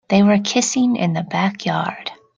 They were kissing in the backyard.